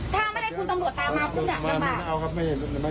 ถ้าไม่ได้คุณตำรวจตามมาซึ่งเนี่ยน้ำบาด